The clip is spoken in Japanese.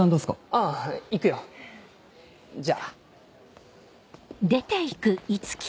あぁ行くよ。じゃ。